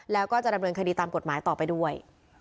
แล้วก็จะดำเนินคดีตามกฎหมายต่อไปด้วย